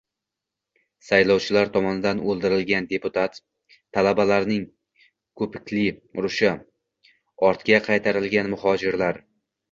Saylovchilar tomonidan o‘ldirilgan deputat, talabalarning ko‘pikli urushi, ortga qaytarilgan muhojirlar